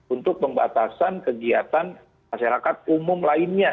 untuk pembatasan kegiatan masyarakat umum lainnya